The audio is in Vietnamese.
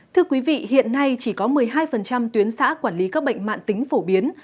thưa quý vị hiện nay chỉ có một mươi hai tuyến xã quản lý các bệnh mạng tính phổ biến